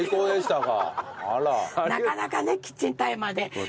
なかなかねキッチンタイマーで。